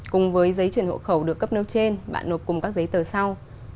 cùng với giấy chuyển hộ khẩu được cấp nêu trên bạn nộp cùng các giấy tờ sau